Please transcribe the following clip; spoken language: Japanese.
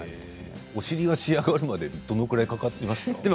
お尻が仕上がるまでどのぐらいかかりますか？